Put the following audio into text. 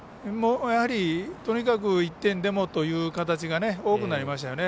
やはり１点でもという形が多くなりましたよね。